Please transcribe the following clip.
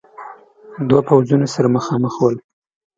دو پوځونه سره مخامخ ول.